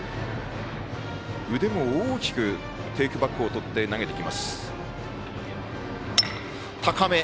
腕も大きくテイクバックをとって投げてきます。